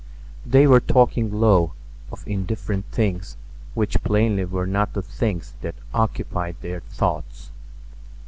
They were talking low, of indifferent things which plainly were not the things that occupied their thoughts.